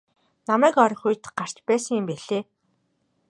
Намайг орох үед гарч байсан юм билээ.